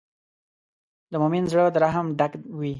د مؤمن زړۀ د رحم ډک وي.